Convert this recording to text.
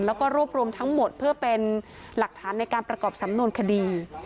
แล้วก็รวบรวมทั้งหมดเพื่อเป็นหลักฐานในการประกอบสำนวนคดี